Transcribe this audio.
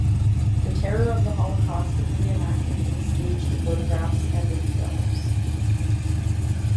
The terror of the Holocaust is re-enacted in staged photographs and in films.